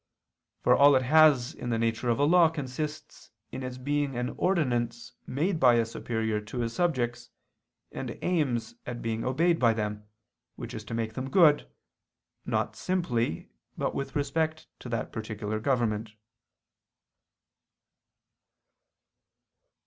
For all it has in the nature of a law consists in its being an ordinance made by a superior to his subjects, and aims at being obeyed by them, which is to make them good, not simply, but with respect to that particular government.